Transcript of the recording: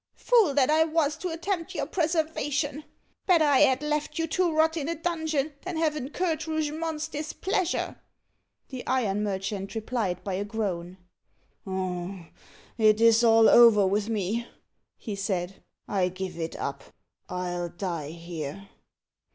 Fool that I was to attempt your preservation. Better I had left you to rot in a dungeon than have incurred Rougemont's displeasure." The iron merchant replied by a groan. "It's all over with me," he said. "I give it up I'll die here!"